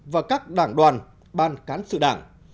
và các đảng đoàn ban cán sự đảng